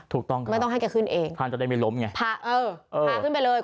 ถูกต้องครับภาพจะได้ไม่ล้มไงพาเออพาขึ้นไปเลย